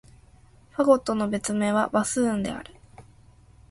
ファゴットの別名は、バスーンである。